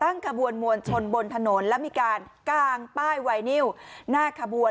ขบวนมวลชนบนถนนแล้วมีการกางป้ายไวนิวหน้าขบวน